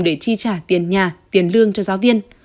để chi trả tiền nhà tiền lương cho giáo viên